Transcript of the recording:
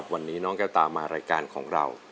วันนี้น้องแก้วตามารายการของเรา